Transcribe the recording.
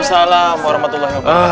warahmatullahi wabarakatuh ustazah